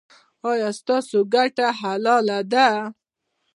ایا ستاسو ګټه حلاله ده؟